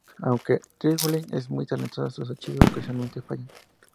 Aunque Twilight es muy talentosa, sus hechizos ocasionalmente fallan.